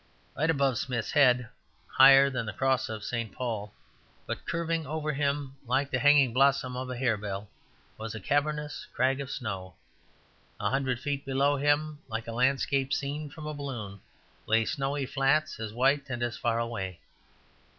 Right above Smith's head, higher than the cross of St. Paul's, but curving over him like the hanging blossom of a harebell, was a cavernous crag of snow. A hundred feet below him, like a landscape seen from a balloon, lay snowy flats as white and as far away.